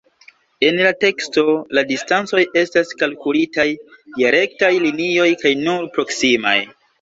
En la teksto, la distancoj estas kalkulitaj je rektaj linioj kaj nur proksimaj.